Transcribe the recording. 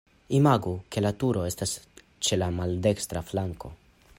Imagu ke la turo estas ĉe la maldekstra flanko.